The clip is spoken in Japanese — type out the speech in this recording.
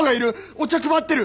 お茶配ってる！